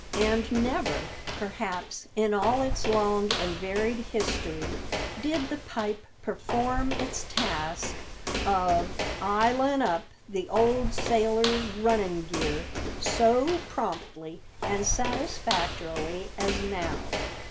And never, perhaps, in all its long and varied history, did the pipe perform its task of "'ilin' up" the old sailors "runnin' gear" so promptly and satisfactorily as now.